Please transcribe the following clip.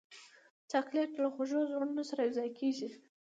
چاکلېټ له خوږو زړونو سره یوځای کېږي.